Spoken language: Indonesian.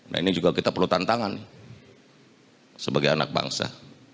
nah ini juga kita perlu tantangan nih sebagai anak bangsa